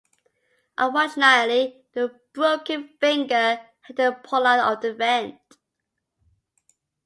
Unfortunately, due a broken finger he had to pull out of the event.